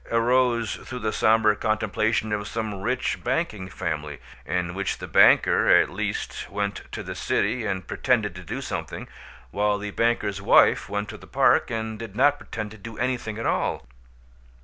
arose through the somber contemplation of some rich banking family, in which the banker, at least, went to the city and pretended to do something, while the banker's wife went to the Park and did not pretend to do anything at all.